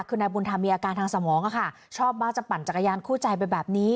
คือนายบุญธรรมมีอาการทางสมองค่ะชอบมากจะปั่นจักรยานคู่ใจไปแบบนี้